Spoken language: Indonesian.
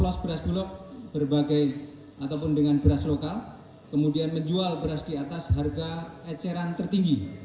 los beras bulog berbagai ataupun dengan beras lokal kemudian menjual beras di atas harga eceran tertinggi